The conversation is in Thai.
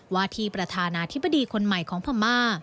ว่าที่ประธานาธิบดีคนใหม่ของพม่า